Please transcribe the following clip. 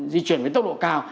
di chuyển với tốc độ cao